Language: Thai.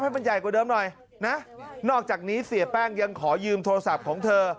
ให้มันใหญ่กว่าเดิมหน่อยนะนอกจากนี้เสียแป้งยังขอยืมโทรศัพท์ของเธอ